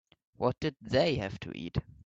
What did they have to eat?